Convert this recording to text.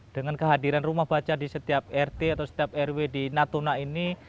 dengan kehadiran rumah baca di setiap rt atau setiap rw di natuna ini